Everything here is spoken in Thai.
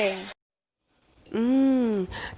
เธอก็เลยบอกว่าเธอก็รับรู้นะคะ